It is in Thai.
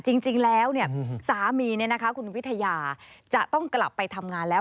จริงแล้วสามีคุณวิทยาจะต้องกลับไปทำงานแล้ว